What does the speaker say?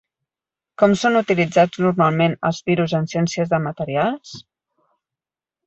Com són utilitzats normalment els virus en ciència de materials?